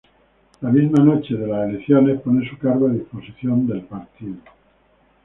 La misma noche de las elecciones pone su cargo a disposición del partido.